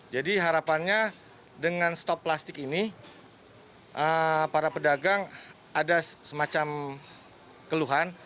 jadi harapannya dengan stop plastik ini para pedagang ada semacam keluhan